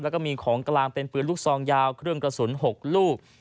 แล้วก็มีของกลางเป็นปืนลูกซองยาวเครื่องกระสุน๖ลูก